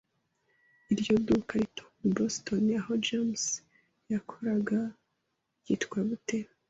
Iryo duka rito i Boston aho James yakoraga ryitwa gute?